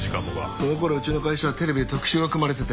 その頃うちの会社テレビで特集が組まれてて。